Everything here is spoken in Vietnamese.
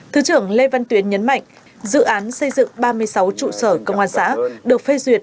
thứ trưởng lê văn tuyến nhấn mạnh dự án xây dựng ba mươi sáu trụ sở công an xã được phê duyệt